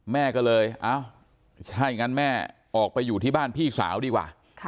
แม่ก็เลยเอ้าใช่งั้นแม่ออกไปอยู่ที่บ้านพี่สาวดีกว่า